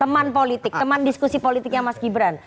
teman politik teman diskusi politiknya mas gibran